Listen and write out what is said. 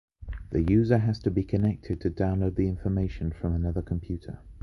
The user has to be connected to download the information from another computer.